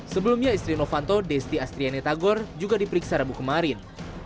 sebelumnya istri novanto desti astrianetagor juga diperiksa rabu kemarin